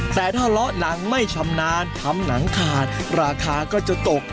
แต่ถ้าเลาะหนังไม่ชำนาญทำหนังขาดราคาก็จะตก